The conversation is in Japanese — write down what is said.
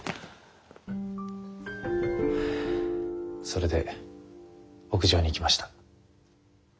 それで屋上に行きました。